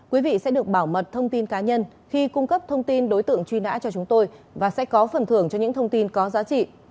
quý vị sẽ được bảo mật thông tin cá nhân khi cung cấp thông tin đối tượng truy nã cho chúng tôi và sẽ có phần thưởng cho những thông tin có giá trị